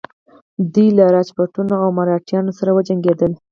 دوی له راجپوتانو او مراتیانو سره وجنګیدل.